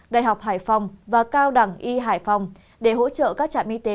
đại học hải phòng và cao đẳng y hải phòng để hỗ trợ các trạm y tế